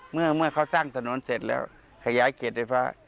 เมื่อเขาสร้างถนนเสร็จแล้วขยายเขตไฟฟ้า